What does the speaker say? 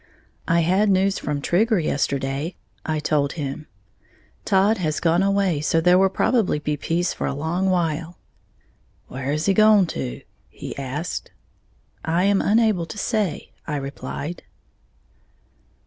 "I had news from Trigger yesterday," I told him, "Todd has gone away, so there will probably be peace for a long while." "Where has he gone to?" he asked. "I am unable to say," I replied.